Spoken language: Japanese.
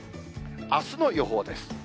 あすの予報です。